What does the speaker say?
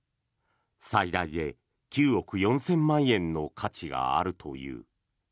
最大で９億４０００万円の価値があるという。